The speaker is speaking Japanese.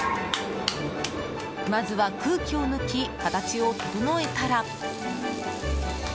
まずは空気を抜き形を整えたら。